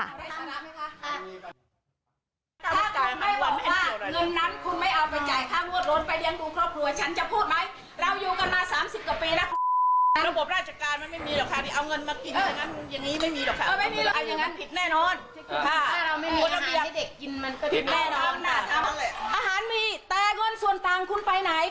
อาหารมีแต่เงินส่วนต่างคุณไปไหน